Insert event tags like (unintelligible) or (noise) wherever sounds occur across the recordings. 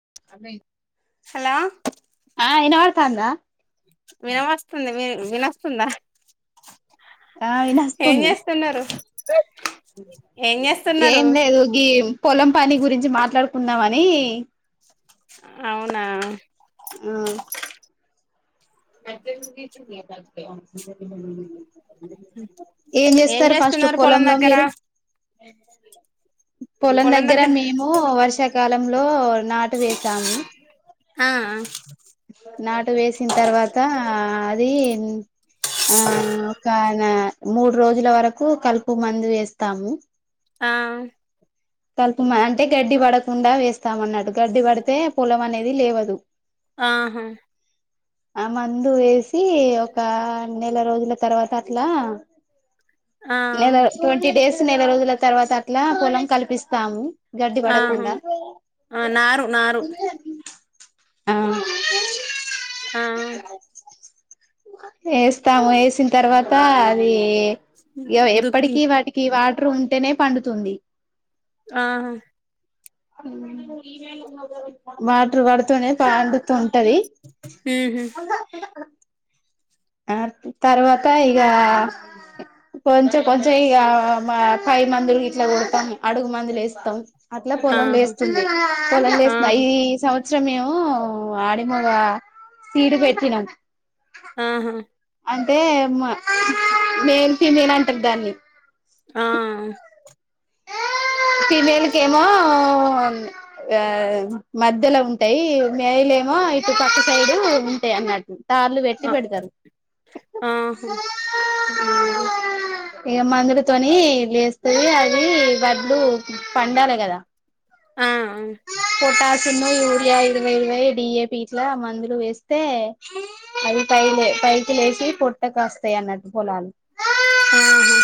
(unintelligible) hello ఆ వినబడతాందా వినం వస్తుంది మీ (unintelligible) నాస్తుంద ఆవి నస్తుంది ఏం చేస్తున్నారు ఏం లేదు గీ పొలం పని గురిం చి మాట్లాడుకుందామని అవునా అజన్ ఏం చేస్తారు ఫస్ట్ చేస్తున్నారు పొలం పొలంలో దగ్గర మీరు పొలం దగ్గర మేము వర్ష కాలంలో నాటు వేసాము ఆ నాటు వేసిన తర్వాత అది ఆ ఒక నా మూడు రోజుల వరకు కలుపు మందు వేస్తాము ఆ కలుపు అంటే గడ్డి పడకుండా వేస్తాము అన్నాట్టు గడ్డి పడితే పొలం అనేది లేవదు ఆాహా ఆ మందు వేసి ఒక నెల రోజుల తర్వాత అట్లా ఆ నెల ట్వంటీ డేస్ నెల రోజుల తర్వాత అట్లా పొలం కల్పిస్తాము గడ్డి ఆహా పడకుండా ఆ నారు నారు ఆ ఆ వేస్తాము వేసిన తర్వాత అది ఈ యో దుక్కి ఎప్పటిక వాటికి వాటర్ ఉంటేనే పండుతుంది ఆహా వాటర్ పడుతూనే పండుతు ది ఉహు ఆ తర్వాత ఈగ కొంచెం కొంచెం ఇక మా పై మందులు ఇట్లా కొడతాం అడుగు మందులు వేస్తాం అట్లా పొలం ఆహా లేస్తుంది పొలం ఆహా లేస్తుంది ఈ సంవ త్సరం ఏమో ఆడిమోగ సీడు పెట్టినాం ఆహా అంటే మేల్ ఫీమేల్ అంటారు దాన్ని ఆ ఫిమేల్క ఏమో ఆ మధ్యలో ఉంటాయి మెల్ కేమో ఇటు పక్క సైడ్ ఉంటాయి అన్నట్టు తార్లు పెట్టి ఆ పెడతారు ఆహా ఉమ్ ఇక మందులాతోని లేస్తుంది అది వడ్లు పండాలి కదా ఆ ఆ చిన్నో యూరియా ఇరవై ఇరవై డిఏపి ఇట్లా మందులు వేస్తే అవి పైలే పైకి లేసి పొట్టకస్తాయి అన్నట్టు పొలాలు ఆహా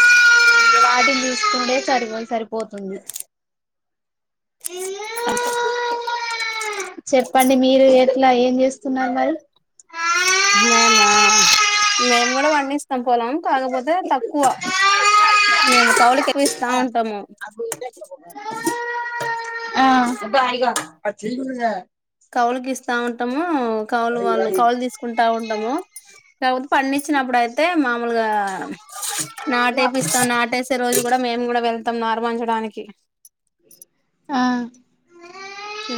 టూ డేస్ సరిపో సరిపోతుంది చెప్పండి మీరు ఎట్లా ఏం చేస్ స్తున్నారు మరి మేమా మేము కూడా పండిస్తాం పోొలం కాకపోతే తక్కువ మేము కౌలకిె ఎక్కువ ఇస్తా ఉంటాము ఆ స్తా ఉంటాము కౌలు వాళ్ళు కౌలు తీసుకుంటా ఉంటాము ఆ కాకపోతే పంచ్చినప్పుడు అయితే మామూలుగా నాటేపిస్తాం నాట వేసే రోజుకి కూడా మేము కూడా వెళ్తాం నారు పచ్చడానికి ఆ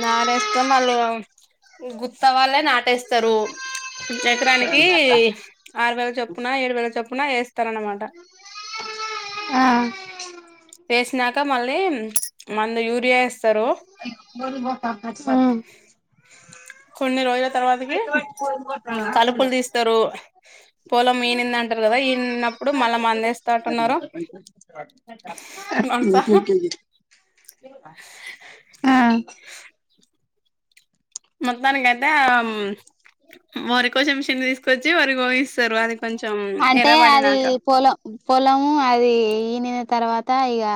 నారేస్తాం వాళ్ళు గుర్త అవ్వాలి ట్టేస్తారు ఎకరానికి ఆరు వేల చొప్పున ఏడు వేల చొప్పున వేస్త ఆ వేసినాక మళ్ళీ మందు యూ మ్మ్ కొన్ని రోజుల తర్వాతకి కలుపులు తీస్తారు పొలం ఈనింద అంటారు కదా ఈనన్నప్పుడు మళ్ళా మందేస్త అంటన్నారు బికల్ బ ఆ (unintelligible) ఆ మొత్తానినికి అైతే ఆ వరి కోచ మిషిన్ తీసుకొచ్చి వరికు అంటే అది పొలం పొలము అది పడిన తర్వాత ఇక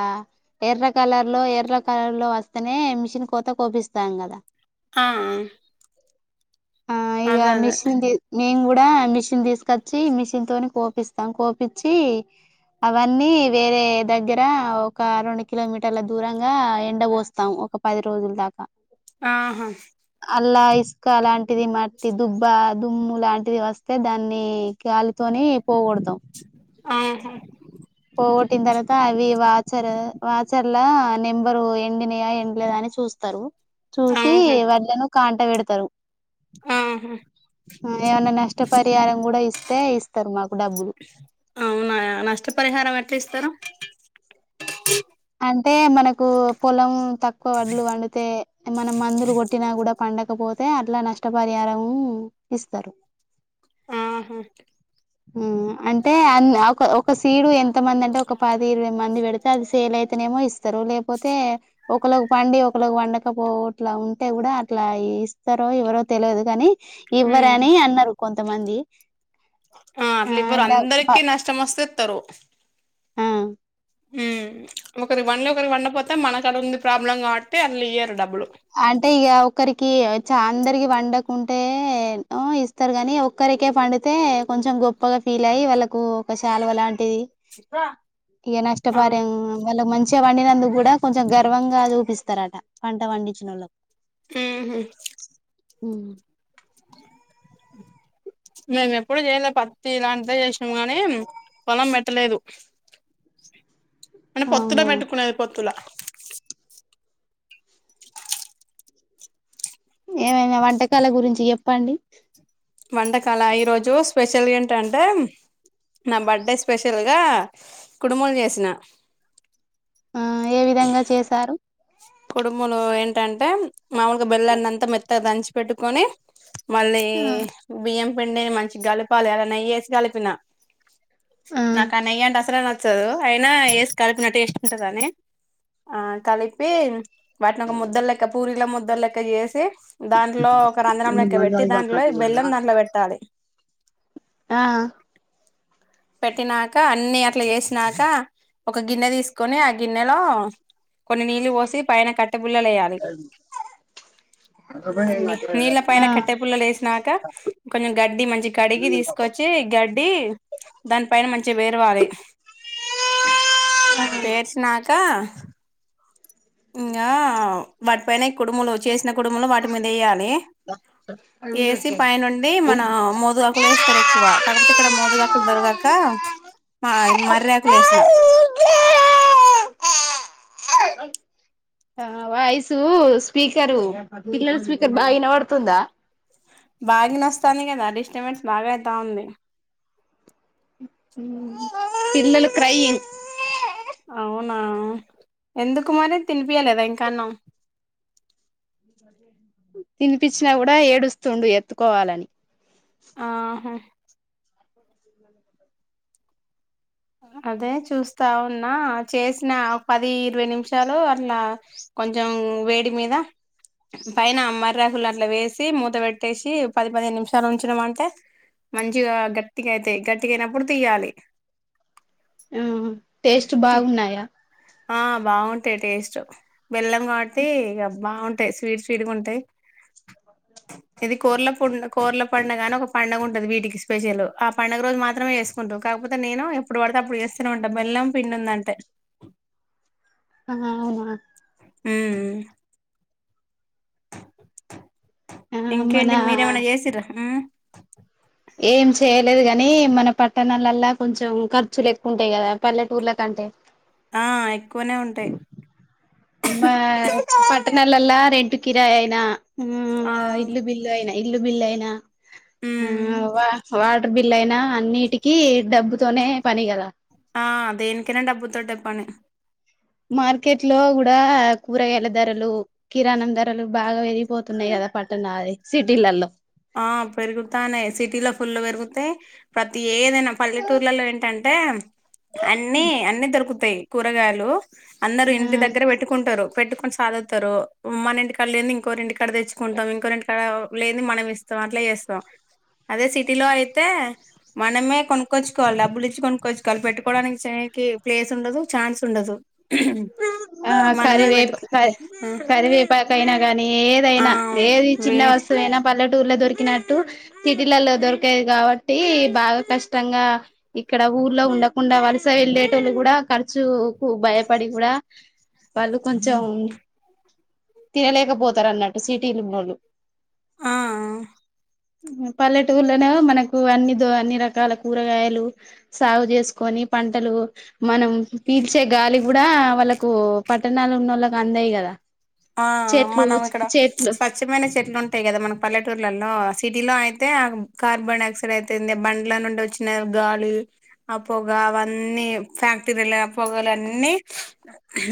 ఎర్ర కలర్ లో ఎర్ర కలర్ లో వస్తేనే మిషన్ కోత కోపిస్తాం కదా ఆ ఆ ఇ అదే అదే మెషిన్ ది మెయిన్ కూడా మెషిన్ తీస్ కచ్చి మిషన్ తోని కోపిస్తాం కోపచ్చి అవన్నీ వేరే దగ్గర ఒక రెండు కిలోమీటర్ల దూరంగా ఎండ పోస్తాము ఒక పది రోజుల దాకా ఆహా అల్లా ఇస్క అలాంటి మట్టిది మట్టి దుబ్బ దుమ్ము లాంటిది వస్తే దాన్ని కాలితోని పోకూడతం ఆహా పోగొట్టిన తర్వాత అవి వాచర్ వాచర్ నెంబరు ఎండినయా ఎండలేదా అని చూస్తారు చూసి ఆహా వాళ్ళను కాంట పెడతారు ఆహా ఏమన్నా నష్టపరిహారం కూడా ఇస్తే ఇస్తారు మాకు డబ్బులు అవునా నష్టపరిహారం ఎట్లా ఇస్తారు అంటే మనకు పొలం తక్కువ వడ్లు వండితే మనం మందులు కొట్టినా కూడా పండకపోతే అతే అట్లా నష్టపరిహారం ఇస్తారు ఆహా అంటే అ ఒక సీడు ఎంత మంది అంటే ఒక పది ఇరవై మంది పెడితే అది సేల్ అయి అతనేమో ఇస్తారు లేకపోతే ఒకళకి పండి ఒకళకి వండకపోట్లా ఉంటే కూడా అట్లా ఇస్తారో ఎవరో తెలియదు కానీ ఇవ్వర ఉమ్ అని అన్నారు కొంతమంది ఆ అట్లు ఇవ్వరు డ ప అందరికిీ నష్టం వస్తే ఇస్తరు ఆ మ్మ్ ఒకరికి పండి ఒకరికి వండపోతే మనకు అడ ఉంది ప్రాబ్లం కాబట్టి అళ్ ఇయ్యరు డబ్బులు అంటే ఇక ఒకక్కరికి చ అందరికి వండకుంటే ఇస్తారు గానీ ఒక్కరికి క్కరికే పండితే కొంచెం గొప్పగా ఫీల్ అయ్య వాళ్ళకు ఒక శాలువా అలాంటిది ఇక ఆ నష్టపార మల మంచి వచ్చే వండినందుకు కూడా కొంచెం గర్వంగా చూపిస్తారుట పంట వండించిన వాళ్ళకు ఉమ్ ఉ మేము ఎప్పుడూ చేయలే పత్తి ఇలాంటిదే చేసినాము గానీ పొలం పెట్టలేదు మంట పొతులు అవునా మెట్టుకునేది పొతులా ఏమైనా వంటకాల గురించి చెప్పండి వంటకాల ఈరోజు స్పెషల్ ఏంటంటే నా బర్త్డే స్పెషల్ గా కుడుములు చేసిన ఆ ఏ విధంగా చేశారు కుడుములు ఏంటంటే మాములుగా బెల్లాన్ని అంతా మెత్తగా దంచి పెట్టుకొని మళ్ళీ ఆ బియ్యం పిండిని మంచిగ కలపాలి అల్ల నెయ్యేసి కలిపిన ఆ నాకా నెయ్యంటే అసలే న చ్చదు అయినా ఏసి కలిపిన టేస్ట్ ఉంటదని ఆ కలిపి ప్పి వాటిని ఒక ముద్ద లెక్క పూరీల ముద్ద లెక్క చేసి దాంట్లో ఒక రంధ్రం లెక్క పెట్టి దాంట్లో బెల్లం దాంట్లో పెట్టాలి ఆ పెట్టినాక అన్ని అట్ల చేసినాక ఒక గిన్నె తీసుకొని ఆ గిన్నెలో కొన్ని నీళ్లు పోసి పైన కట్టెపుల్లలు వేయాలి అ నీళ్ళ పైన కట్టె పుల్లలు వేసినాక కొంచెం గడ్డి మంచిగ కడిగి ఆ తీసుకొచ్చి గడ్ పెట్టి దాని పైన మంచిగ పేరవాలి పేర్చినాక ఇంగా వాటిపైన కుడుములు చేసిన కుడుములు వాటి మీద వేయాలి లి ఏసి పైనుండి మన మోదుగాకులు ఏస్తరు ఎక్కువ కాకపోతే ఇక్కడ మోదు గాకులు దొరకక మా అది మర్రాకులు ఏసిన వాయిసు స్పీకరు పిల్లల స్పీకర్ బాగ వినపడుతుందా బాగా వినోస్తాంది కదా డిస్టర్బెన్స్ బాగా అయితా ఉంది పిల్లలు క్రయింగ్ అవునా ఎందుకు మరి తినిపియ్యలేదా ఇంకా అన్నం తినిపిచ్చినా కూడా ఏడుస్తుండు ఎత్తుకోవాలని ఆహా అదే చూస్తా ఉన్నా చేసిన పది ఇరవై నిమిషాలు అట్లా కొంచెం వేడి మీద పైన మర్రాకుల్లు అట్ల వేసి మూత పెట్టేసి పది పదిహేను నిమిషాలు ఉంచినం అంటే మంచిగా గట్టిగయితయి గట్టిగయినప్పుడు తీయాలి ఆ టేస్ట్ బాగున్నాయా ఆ బాగుంటయి టేస్ట్ బెల్లం కాబట్టి ఇగ బాగుంటయి టయి స్వీట్ స్వీట్గ ఉంటాయి ఇది కోర్ల పూ కోర్ల పండగా అని ఒక పండగుంటది వీటికి స్పెషల్ ఆ పండగ రోజు మాత్రమే చేసుకుంట టరు కాకపోతే నేను ఎప్పుడు పడితే అప్పుడు చేస్తానే ఉంట బెల్లం పిండి ఉందంటే ఆ అవునా ఉమ్ ఆ మన ఇంకేంటి మీరేమన్న చేసిన్రా లేదు కాని మన పట్టణాలల్లా కొంచెం ఖర్చులు ఎక్కువుంటయి కదా పల్లెటూర్ల కంటే ఆ ఎక్కువనే ఉంటయి ఆ పట్టణాలల్ల రెంటు కిరాయి అయినా ఉ ఆ ఇల్లు బిల్లు అయినా ఇల్లు బిల్లైన ఆ ఉమ్ వా వాటర్ బిల్ అయినా అన్నిటికి డబ్బుతోనే పని కదా ఆ దేనికైనా డబ్బు తోటె మార్కెట్లో కూడా కూరగాయల ధరలు కిరాణం ధరలు బాగా పెరిగిపోతున్నయి కదా పట్టణ అదే సిటీలల్లో ఆ పెరుగుతానే సిటీలో ఫుల్ పెరుగుతే ప్రతి ఏదైనా పల్లెటూర్లలో ఏంటంటే అంటే అన్ని అన్ని దొరుకుతయి కూరగాయలు అందరు ఇంటి ఆ దగ్గర పెట్టుకుంటరు పెట్టుకొని సాదుతరు మన ఇంటికాడ లేనిది ఇంకోకరి ఇంటికాడ తెచ్చుకుంటాం ఇంకోకరి ఇంటికాడ లేనిది మనం ఇస్తం స్తం అట్ల చేస్తాం అదే సిటీలో అయితే మనమే కొనుక్కొచ్చుకోవాలి డబ్బులిచ్చి కొనుక్కొచ్చుకోవాలి పెట్టుకోవడానికి కి ప్లేస్ ఉండదు ఛాన్స్ ఉండదు ఉమ్ ఆ కరివేపు క కరివేపాకయినా కానీ ఆ ఆ ఏదైనా ఏది వే చిన్న వస్తువు నా పల్ల టూర్ లో దొరికినట్టు సిటీలలో దొరకది కాబట్టి బాగా కష్టంగా ఇక్కడ ఊర్లో ఉండకుండా వలస యెళ్ళేటోళ్ళు కూడా ఖర్చు కు భయపడి కూడా వాళ్ళు కొంచెం తినలేకపోతరు అన్నట్టు సిటీలో ఉన్నోళ్ళు ఆ పల్లెటూళ్లోనేమో మనకు అన్ని ద అన్ని రకాల కూరగాయలు సాగు చేసుకొని ఈ పంటలు మనం పీల్చే గాలి కూడా వాళ్ళకు పట్టణాలు ఉన్నోళ్ళకి అందయి కదా ఆ చెట్లు మనం ఇక్కడ చెట్లు స్వచ్ఛమైన చెట్లు ఉంటయి కదా మనకు పల్లెటూర్లలో సిటీలో అయితే కార్బన్ డైక్సైడ్ అయితేంది బండ్ల నుండి వచ్చిన గాలి పొగ అవన్నీ ఫ్యాక్టరీల పొగలు అన్నీ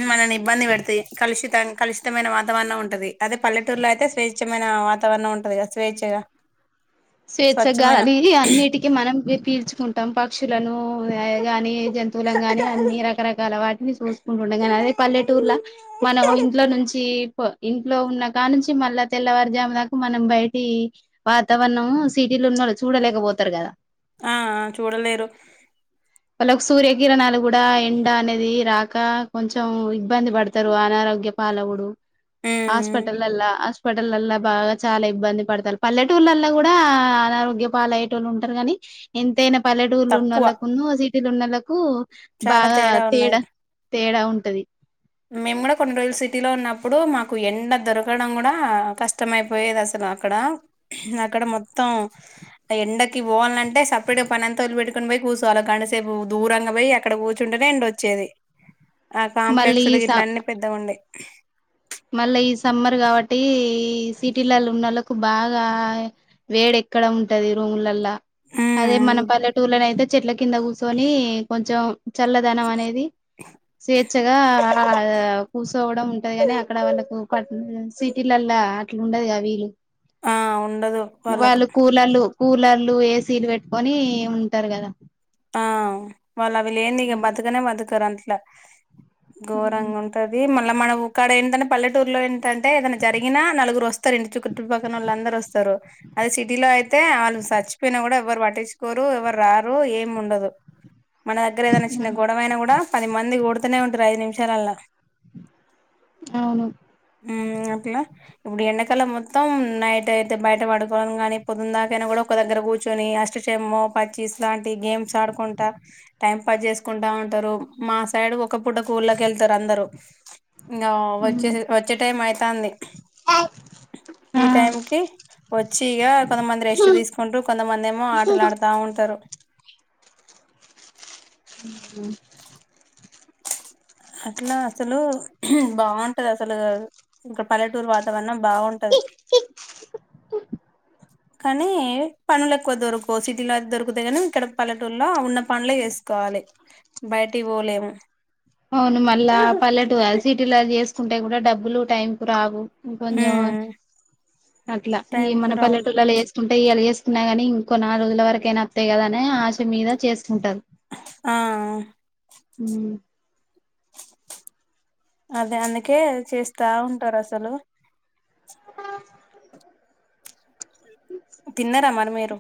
మనల్ని ఇబ్బంది పెడతయి కలుషితం కలుషితమైన వాతావరణం ఉంటది అదే పల్లెటూరులో అయితే స్వేచ్ఛమైన వాతావరణం ఉంటదిగా స్వేచ్ఛగా స్వచ్ఛమైన స్వేచ్ఛగాలి అన్నిటికిీ మనం పీల్చుకుంటాం పక్షులను గాని జంతువులను గాని అన్ని రకరకాల వాటిని చూసుకుంటు ఉండగనే అదే పల్లెటూర్ల మనం ఇంట్లో నుంచి ఇంట్లో ఉన్న కా నుంచి మళ్ళా తెల్లవారు జాము దాకా మనం బయటి వాతావరణం సిటీలో ఉన్నోళ్ళు చూడలేకపోతరు కదా ఆ ఆ చూడలేరు వాళ్ళకు సూర్యకిిరణాలు కూడా ఎండ అనేది రాక కొంచెం ఇబ్బంది పడతారు ఆన రోగ్య పాలవుడు ఉమ్ హాస్పిటలల్లా హాస్పిటలల్లా బాగా చాలా ఇబ్బంది పడతారు పల్లెటూర్లలో కూడా అనారోగ్య పాలయెటోళ్ళు ఉంటరు కాని ఎంతైనా పల్లెటూరులో తక్కువ ఉన్నోళ్ళకన్ను న్నోలకు చాలా బాగా తేడా ఉన్నది తేడా ఉంటది మేము కూడా కొన్ని రోజులు సిటీలో ఉన్నప్పుడు మాకు ఎండ దొరకడం కూడా కష్టమైపోయేది అసలు అక్కడ అక్కడ మొత్తం ఎండకి పోవాల్నంటే సపరేట్గా పనంత వదిలిపెటుకొని పోయి కూర్చోవాల గంటసేపు దూరంగా పోయి అక్కడ కూర్చుంటేనే ఎండొచ్చేది ఆ మళ్ళీ కాంప్లెక్స్ లో గిట్ల అన్నీ పెద్దగా ఉండయ్ మళ్ళా ఈ సమ్మర్ కాబట్టి సిటీలలో ఉన్నోళ్లకు బాగా వేడి ఇక్కడ ఉంటది రూమ్లలా అదే ఉమ్ మన పల్లెటూర్లోనైతే చెట్ల కింద కూర్చొని కొంచెం చల్లదనం అనేది స్వేచ్ఛగా కూచోవడం ఉంటది కని అక్కడ వాళ్ళకు సిటీలల్లా అట్లా ఉండదుగా వీలు ఆ ఉండదు వాళ్ళకు వాళు కూలలు కూలర్లు ఏసీలు పెట్టుకొని ఉంటరు కదా ఆ వాళ్ళు అవి లేనిది ఇక బతకనే బతకరట్ల ఘోరంగా ఉంటది మళ్ళా మనం ఒక్కాడ ఏందంటే పల్లెటూరులో ఏం టంటే ఏదన జరిగినా నలుగురు వస్తారు ఇంటి చుటు పక్కనోళ్ళందరూ వస్తారు అదే సిటీలో అయితే వాళ్ళు చచ్చిపోయినా కూడా ఎవరు పట్టిచుకోరు ఎవరు రారు ఏ ఉండదు మన దగ్గర ఏదైనా చిన్న గొడవైనా కూడా పది మంది గొడతనే ఉంటారు ఐదు నిమిషాలలా అవును మ్ అట్ల ఇప్పుడు ఎండకాలం మొత్తం నైట్ అయితే బయట పడుకోంగానే పొదున దాకాకైనా కూడా ఒక దగ్గర కూర్చొని అష్ట షమో పచ్చిస్లాంటి గేమ్స్ ఆడుకుంటా టైం పాస్ చేసుకుంటా ఉంటరు మా సైడ్ ఒక పుట కూళ్ళకు యెళ్తారు అందరు ఇంకా వచ్చే వచ్చే టైం అయితాంది ఈ ఆ టైం కి వచ్చి ఇగ కొంతమంది రెస్ట్ తీసుకుంటూ కొంతమంది ఏమో ఆటలు ఆడతా ఉంటరు అట్లా అసలు బాగుంటది అసలు ఇంక పల్లెటూరు వాతావరణం బాగుంటది కానీ పనులు ఎక్కువ దొరకవు సిటీలో అయితే దొరుకుతయి కానీ ఇక్కడ పలేటూరులో ఉన్న పనులే చేసుకో కోవాలి బయటికి పోలేము అవును మళ్ళా పల్లెట ఎల్సిటి లా చేసుకుంటే కూడా డబ్బులు టైం కు రావు కొంచెం ఉమ్ అట్లా ఈ టైం కు మన రావు పల్లెటూలలో వేసుకుంటే ఇయాలా వేసు కున్నా గాని ఇంకో నాలుగు రోజుల వరకైయిన వత్తాయి కద అని ఆశ మీద చేసు ఉంటారు ఆ హ్మ్ అదే అందుకే చేస్తా ఉంటారు అసలు తిన్నారా మరి మీరు